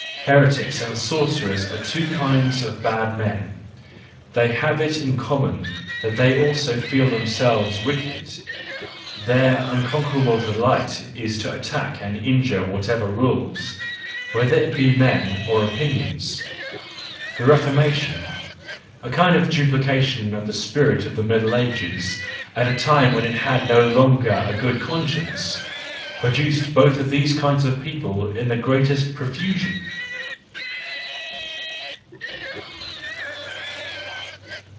Heretics and sorcerers are two kinds of bad men; they have it in common that they also feel themselves wicked; their unconquerable delight is to attack and injure whatever rules,—whether it be men or opinions. The Reformation, a kind of duplication of the spirit of the Middle Ages at a time when it had no longer a good conscience, produced both of these kinds of people in the greatest profusion.